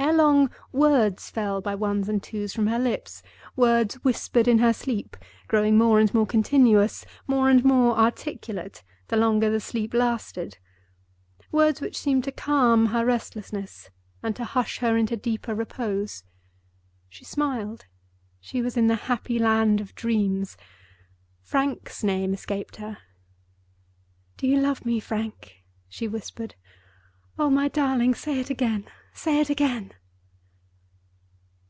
Ere long words fell by ones and twos from her lips; words whispered in her sleep, growing more and more continuous, more and more articulate, the longer the sleep lasted—words which seemed to calm her restlessness and to hush her into deeper repose. She smiled; she was in the happy land of dreams; Frank's name escaped her. "Do you love me, Frank?" she whispered. "Oh, my darling, say it again! say it again!"